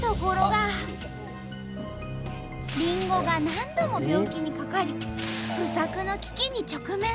りんごが何度も病気にかかり不作の危機に直面。